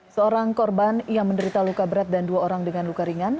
seorang korban yang menderita luka berat dan dua orang dengan luka ringan